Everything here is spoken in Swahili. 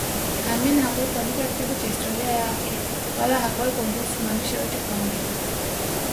Amin hakuwahi kuandika kitabu cha historia yake wala hakuwahi kumruhusu mwandishi yeyote kuandika